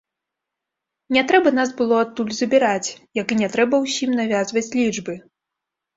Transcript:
Не трэба нас было адтуль забіраць, як і не трэба ўсім навязваць лічбы.